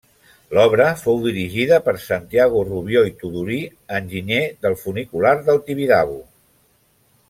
L'obra fou dirigida per Santiago Rubió i Tudurí, enginyer del funicular del Tibidabo.